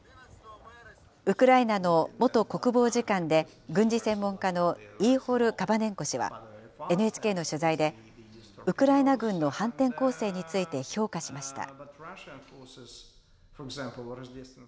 ウクライナの元国防次官で、軍事専門家のイーホル・カバネンコ氏はＮＨＫの取材で、ウクライナ軍の反転攻勢について評価しました。